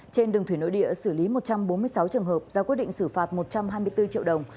trên đường thủy nội địa xử lý một trăm bốn mươi sáu trường hợp ra quyết định xử phạt một trăm hai mươi bốn triệu đồng